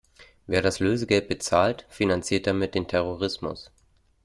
Wer das Lösegeld bezahlt, finanziert damit den Terrorismus.